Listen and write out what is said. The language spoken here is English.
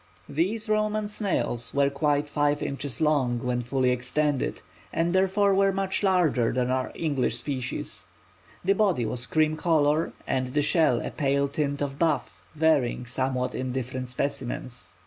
These Roman snails were quite five inches long when fully extended, and therefore were much larger than our English species; the body was cream colour and the shell a pale tint of buff varying somewhat in different specimens.